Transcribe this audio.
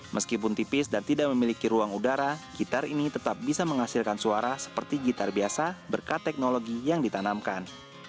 meskipun tipis dan tidak memiliki ruang udara gitar ini tetap bisa menghasilkan suara seperti gitar biasa berkat teknologi yang ditanamkan